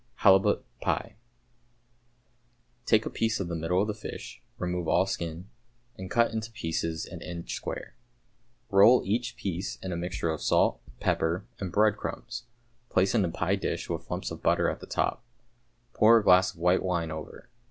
=Halibut Pie.= Take a piece of the middle of the fish, remove all skin, and cut into pieces an inch square. Roll each piece in a mixture of salt, pepper, and breadcrumbs, place in a pie dish with lumps of butter at the top. Pour a glass of white wine over.